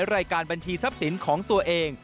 รายการบัญชีทรัพย์สินของตัวเอง